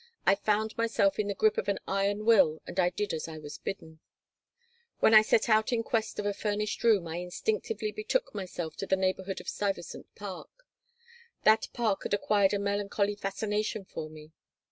I found myself in the grip of an iron will and I did as I was bidden When I set out in quest of a furnished room I instinctively betook myself to the neighborhood of Stuyvesant Park. That park had acquired a melancholy fascination for me.